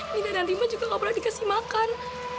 rina dan rima juga gak boleh dikasih makan